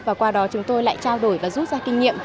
và qua đó chúng tôi lại trao đổi và rút ra kinh nghiệm